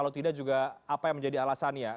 kalau tidak juga apa yang menjadi alasan ya